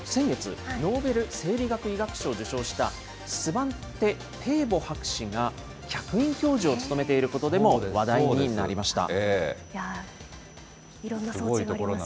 先月、ノーベル生理学・医学賞を受賞したスバンテ・ペーボ博士が客員教授を務めていることでも話題になりました。